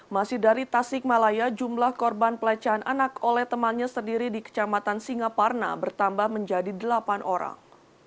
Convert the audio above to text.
masih dari tasikmalaya jumlah korban pelecehan anak oleh temannya sendiri di kecamatan singaparna bertambah menjadi delapan orang